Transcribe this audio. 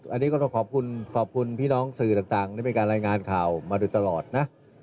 อันนี้ก็ต้องขอบคุณขอบคุณพี่น้องสื่อต่างที่มีการรายงานข่าวมาโดยตลอดนะ